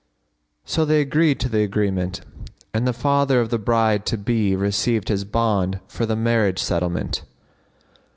So they agreed to the agreement and the father of the bride to be received his bond for the marriage settlement.